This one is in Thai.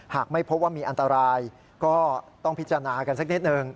หากไม่พบว่ามีอันตรายก็ต้องพิจารณากันสักนิดหนึ่ง